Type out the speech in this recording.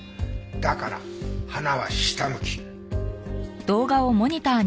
だから鼻は下向き。